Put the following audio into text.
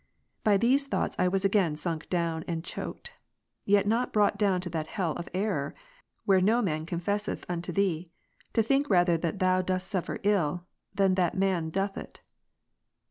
By these thoughts I was again sunk down and choked; yet not brought down to that hell of error, (where ps. 6,5. no man confesseth unto Thee,) to think rather that Thou dost suffer ill, than that man doth it.